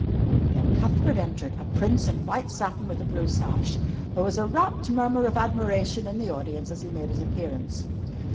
Then Cuthbert entered a Prince in white satin with a blue sash. There was a rapt murmur of admiration in the audience as he made his appearance.